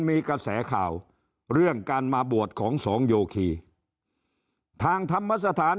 มีกระแสข่าวเรื่องการมาบวชของสองโยคีทางธรรมสถาน